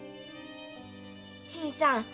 新さん。